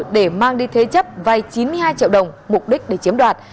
để mang đi thế chấp vay chín mươi hai triệu đồng mục đích để chiếm đoạt